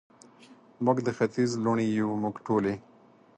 موږ د ختیځ لوڼې یو، موږ ټولې،